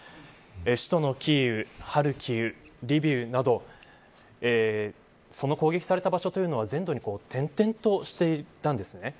首都のキーウ、ハルキウリビウなどその攻撃された場所というのは全土に点々としていたんですね。